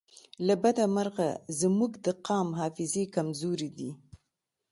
له بده مرغه زموږ د قام حافظې کمزورې دي